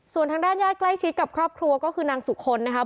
ส่วนทางด้านญาติใกล้ชิดกับครอบครัวก็คือนางสุคลนะครับ